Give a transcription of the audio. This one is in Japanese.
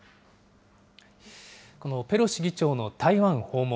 このペロシ議長の台湾訪問。